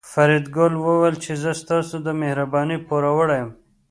فریدګل وویل چې زه ستاسو د مهربانۍ پوروړی یم